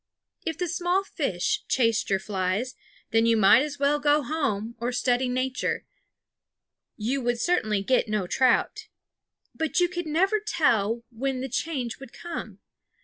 If the small fish chased your flies, then you might as well go home or study nature; you would certainly get no trout. But you could never tell when the change would come.